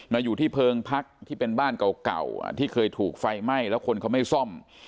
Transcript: มาอยู่ที่เพิงพักที่เป็นบ้านเก่าที่เคยถูกไฟไหม้แล้วคนเขาไม่ซ่อม